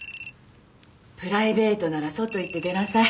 プライベートなら外行って出なさい。